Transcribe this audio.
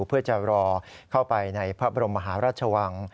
เพื่อจะรอเข้าไปในพระบรมมหาราชวัง